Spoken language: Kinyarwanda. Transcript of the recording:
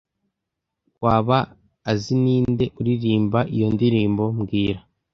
Waba azininde uririmba iyo ndirimbo mbwira